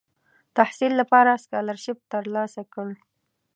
تحصیل لپاره سکالرشیپ تر لاسه کړ.